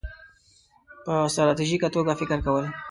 -په ستراتیژیکه توګه فکر کول